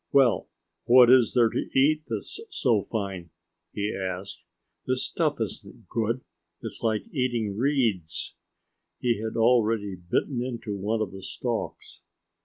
"Well what is there to eat that's so fine?" he asked. "This stuff isn't good. It's like eating reeds." He had already bitten into one of the stalks.